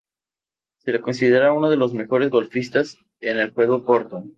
Se le considera uno de los mejores golfistas en el juego corto.